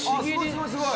すごい！